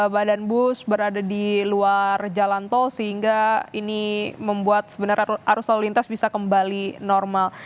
badan bus berada di luar jalan tol sehingga ini membuat sebenarnya arus lalu lintas bisa kembali normal